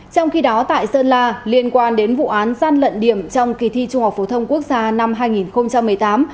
trong khi đó tại sơn la liên quan đến vụ án gian lận điểm trong kỳ thi trung học phổ thông quốc gia năm hai nghìn một mươi tám